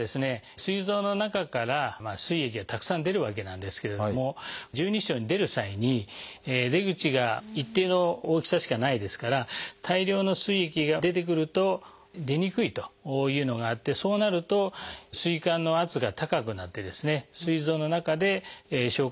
すい臓の中からすい液がたくさん出るわけなんですけれども十二指腸に出る際に出口が一定の大きさしかないですから大量のすい液が出てくると出にくいというのがあってそうなるとすい管の圧が高くなってすい臓の中で消化